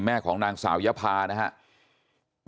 ของนางสาวยภานะครับ